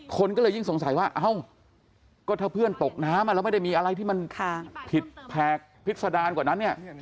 คนก็เลยยิ่งสงสัยว่าเอ้าก็ถ้าเพื่อนตกน้ำแล้วไม่ได้มีอะไรที่มันผิดแผกพิษดารกว่านั้นเนี่ย